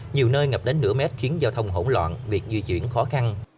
nhiều nơi ngập đến nửa mét khiến giao thông hỗn loạn việc di chuyển khó khăn